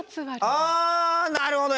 あなるほど！